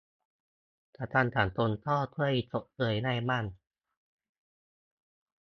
ประกันสังคมก็ช่วยชดเชยได้บ้าง